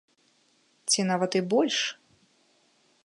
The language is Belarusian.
Ці нават і больш!